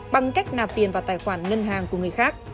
bằng cách nạp tiền vào tài khoản ngân hàng của người khác